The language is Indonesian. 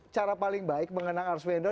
cara paling baik mengenang arswendo